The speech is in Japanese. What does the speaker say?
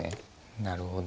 なるほど。